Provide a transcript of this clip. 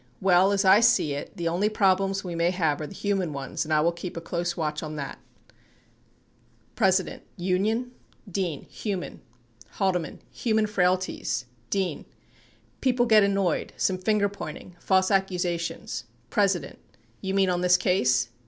Well as I see it, the only problems we may have are the hum, an ones and I will keep a close watch on that. [Em phasis added.] P. Union? D. Human. H. Human frailties. D. People get annoyed — some fingerpointing — false accu sations — P. You mean on this case?